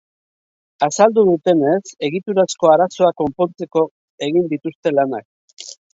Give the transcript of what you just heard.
Azaldu dutenez, egiturazko arazoak konpontzeko egin dituzte lanak.